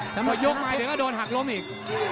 หมดยกมาเดี๋ยวก็โดนหักล้มอีก